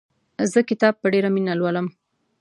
زه کتاب په ډېره مینه لولم.